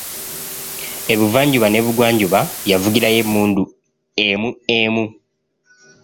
Ebuvanjuba n'ebugwanjuba yavugirayo emmundu emu emu.